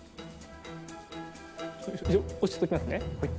押しておきますね。